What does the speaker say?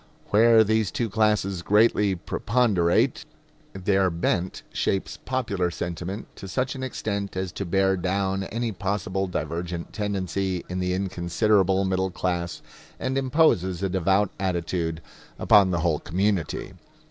Where these two classes greatly preponderate, their bent shapes popular sentiment to such an extent as to bear down any possible divergent tendency in the inconsiderable middle class, and imposes a devout attitude upon the whole community.